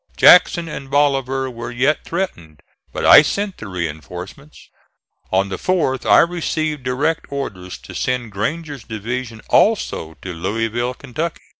Jackson and Bolivar were yet threatened, but I sent the reinforcements. On the 4th I received direct orders to send Granger's division also to Louisville, Kentucky.